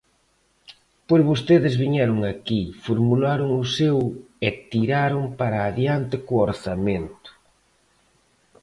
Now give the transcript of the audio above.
Pois vostedes viñeron aquí, formularon o seu e tiraron para adiante co orzamento.